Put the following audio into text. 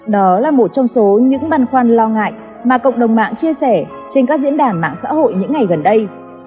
đó là một trong số những băn khoăn lo ngại mà cộng đồng mạng chia sẻ trên các diễn đàn mạng xã hội những ngày gần đây